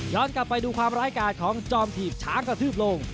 กลับไปดูความร้ายกาดของจอมถีบช้างกระทืบลง